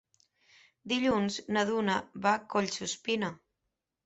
Dilluns na Duna va a Collsuspina.